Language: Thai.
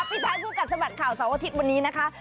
อฟิแทรคพวก่าสมันข่าวสำหรับวันอาทิตย์วันนี้นะครับ